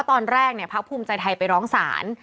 เพราะว่าตอนแรกภักดิ์ภูมิใจไทยไปร้องศาล